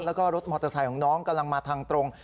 แล้วก็รถมอเตอร์ไซค์ของน้องกำลังมาทางตรง